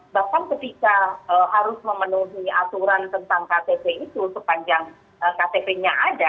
bahkan ketika harus memenuhi aturan tentang ktp itu sepanjang ktp nya ada